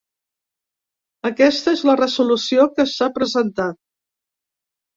Aquesta és la resolució que s’ha presentat.